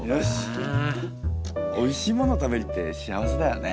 おいしいもの食べるって幸せだよね。